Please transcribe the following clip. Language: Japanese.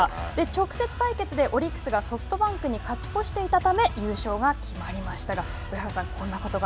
直接対決でオリックスがソフトバンクに勝ち越していたため優勝が決まりましたが上原さん